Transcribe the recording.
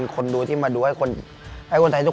ให้คนไทยที่มาดูวันนั้นคุมใจกัน